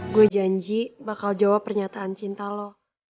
gue janji bakal jawab pernyataan cinta lo